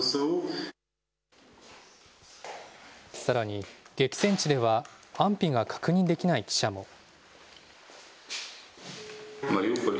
さらに激戦地では安否が確認できない記者も。